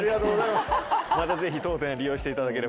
またぜひ当店を利用していただければと。